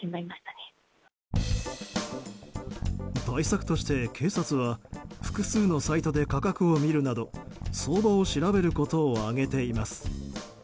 対策として、警察は複数のサイトで価格を見るなど相場を調べることを挙げています。